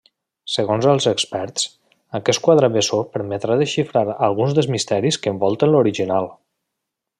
Segons els experts, aquest quadre bessó permetrà desxifrar alguns dels misteris que envolten l'original.